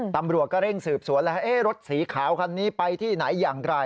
ตำรวจก็เร่งสืบสวนแล้วรถสีขาวคันนี้ไปที่ไหนอย่างไร